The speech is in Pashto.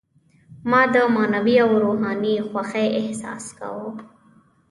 ما د معنوي او روحاني خوښۍ احساس کاوه.